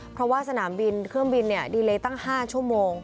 เพราะว่าสนามบินเครื่องบินดีเลยตั้ง๕ชั่วโมง